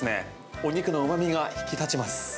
お肉のうま味が引き立ちます。